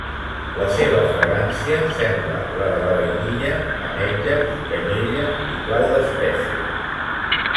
La seva fragància sembla la de la vainilla, ametlles, canyella i clau d'espècia.